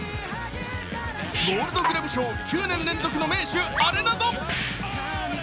ゴールドグラブ賞９年連続の名手アレナド。